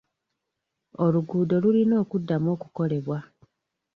Oluguudo lulina okuddamu okukolebwa.